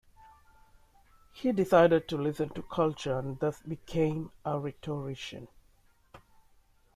He decided to listen to Culture and thus became a rhetorician.